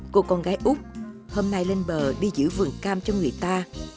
cô con gái úc hôm nay lên bờ đi giữ vườn cam cho người ta